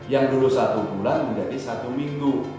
yang dulu satu bulan menjadi satu minggu